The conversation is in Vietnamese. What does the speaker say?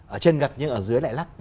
ở trên gặt nhưng ở dưới lại lắc